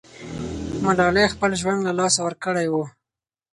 ملالۍ خپل ژوند له لاسه ورکړی وو.